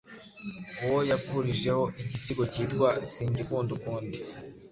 uwo yakurijeho igisigo cyitwa: «Singikunda ukundi: